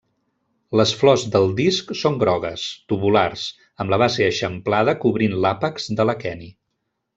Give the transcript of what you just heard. Les flors del disc són grogues, tubulars, amb la base eixamplada cobrint l'àpex de l'aqueni.